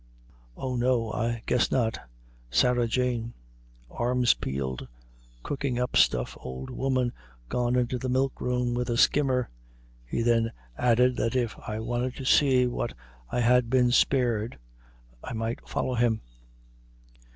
O no, I guess not Sarah Jane arms peeled cooking up stuff old woman gone into the milk room with a skimmer." He then added that if I wanted to see what I had been spared, I might follow him.